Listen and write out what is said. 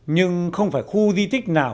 nhưng không phải khu di tích nào